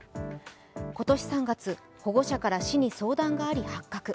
今年３月、保護者から市に相談があり発覚。